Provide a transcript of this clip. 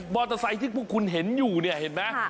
ไซค์ที่พวกคุณเห็นอยู่เนี่ยเห็นไหม